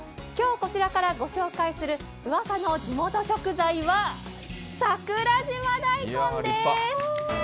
今日こちらから御紹介するうわさの地元食材は桜島大根です。